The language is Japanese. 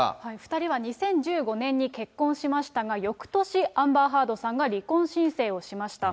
２人は２０１５年に結婚しましたが、よくとし、アンバー・ハードさんが離婚申請をしました。